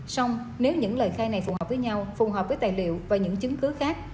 xong nếu những lời khai này phù hợp với nhau phù hợp với tài liệu và những chứng cứ khác